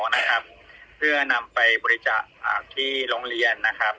นะครับเพื่อนำไปบริจาคอ่าที่โรงเรียนนะครับ